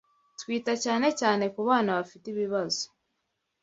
Twita cyane cyane ku bana bafite ibibazo